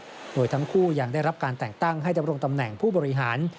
โดยทั้งคู่ยังได้รับการแต่งตั้งให้ดำรงตำแหน่งผู้บริหาร